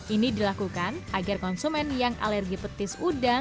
ini dilakukan agar konsumen yang alergi petis udang